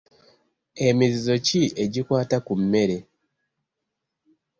Emizizo ki egikwata ku mmere?